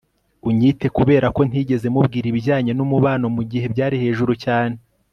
unyite kuberako ntigeze mubwira ibijyanye numubano mugihe byari hejuru cyane